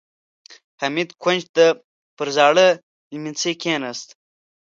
حميد کونج ته پر زاړه ليمڅي کېناست.